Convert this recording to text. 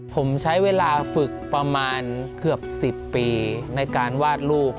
ผมใช้เวลาฝึกประมาณเกือบ๑๐ปีในการวาดรูป